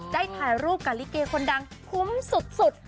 ได้ถ่ายรูปกับลิเกคนดังคุ้มสุด